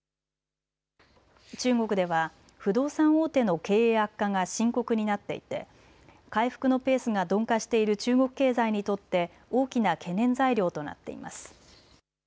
中国では不動産大手の経営悪化が深刻になっていて回復のペースが鈍化している中国経済にとって大きな懸念材料となっています。